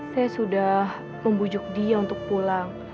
saya sudah membujuk dia untuk pulang